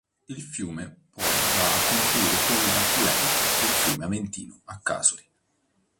Il fiume poi va a confluire come affluente del fiume Aventino a Casoli.